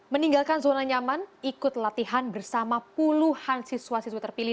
meninggalkan zona nyaman ikut latihan bersama puluhan siswa siswi terpilih